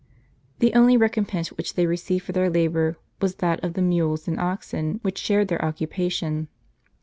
The only recompense which they received for their labor, was that of the mules and oxen which shared their occupation.